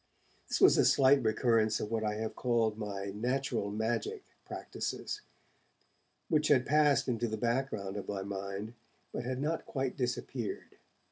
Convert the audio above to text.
This was a slight recurrence of what I have called my 'natural magic' practices, which had passed into the background of my mind, but had not quite disappeared.